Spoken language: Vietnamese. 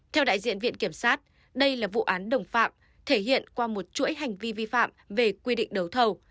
theo đại diện viện kiểm sát đây là vụ án đồng phạm thể hiện qua một chuỗi hành vi vi phạm về quy định đấu thầu